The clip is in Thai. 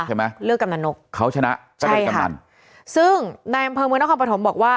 เลือกกำนันนกเขาชนะก็เป็นกำนันซึ่งในอำเภอเมืองนครปฐมบอกว่า